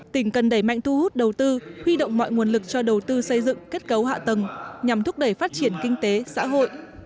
tỉnh cần đẩy mạnh thu hút đầu tư huy động mọi nguồn lực cho đầu tư xây dựng kết cấu hạ tầng nhằm thúc đẩy phát triển kinh tế xã hội